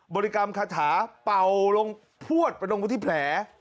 ริกรรมคาถาเป่าลงพวดไปลงที่แผล